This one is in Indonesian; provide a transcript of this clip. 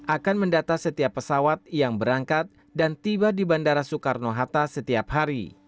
akan mendata setiap pesawat yang berangkat dan tiba di bandara soekarno hatta setiap hari